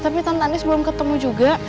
tapi tante anis belum ketemu juga